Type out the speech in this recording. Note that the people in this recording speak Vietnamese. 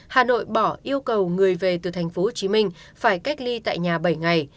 hà nội bỏ yêu cầu người về từ tp hcm phải cách ly tại nhà bảy ngày